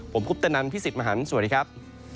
ผมคุปตะนันพี่สิทธิ์มหันฯสวัสดีครับ